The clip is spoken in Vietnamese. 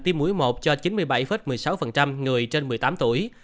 tiêm mũi một cho chín mươi bảy một mươi sáu người trên một mươi tám tuổi